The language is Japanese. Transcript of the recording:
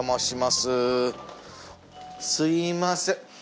すいません。